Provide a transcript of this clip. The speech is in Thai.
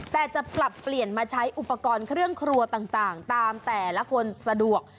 แต่จะปรับเปลี่ยนมาใช้อุปกรณ์เครื่องครัวต่างตามแต่ละคนสะดวก